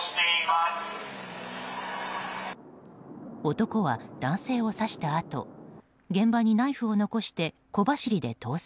男は、男性を刺したあと現場にナイフを残して小走りで逃走。